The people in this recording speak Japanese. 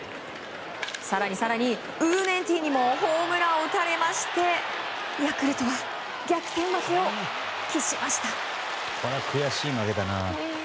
更に更に、ウー・ネンティンにもホームランを打たれましてヤクルトは逆転負けを喫しました。